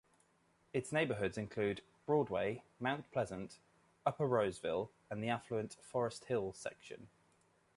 Its neighborhoods include Broadway, Mount Pleasant, Upper Roseville and the affluent Forest Hill section.